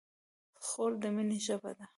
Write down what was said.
خور د مینې ژبه ده.